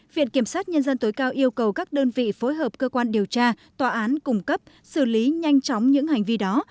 viện kiểm sát nhân dân tối cao yêu cầu các đơn vị phối hợp cơ quan điều tra tòa án cung cấp xử lý nhanh chóng những hành vi đó